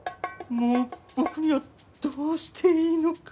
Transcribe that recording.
もう僕にはどうしていいのか。